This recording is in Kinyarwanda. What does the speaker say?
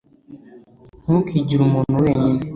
ntukigire umuntu wenyine